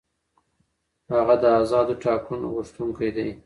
هغه د آزادو ټاکنو غوښتونکی دی.